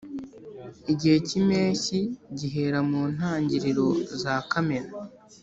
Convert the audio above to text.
Igihe k’Impeshyi gihera mu ntangiriro za Kamena